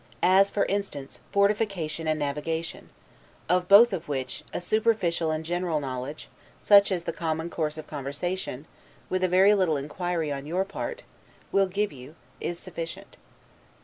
As, for instance; fortification and navigation; of both which, a superficial and general knowledge, such as the common course of conversation, with a very little inquiry on your part, will give you, is sufficient.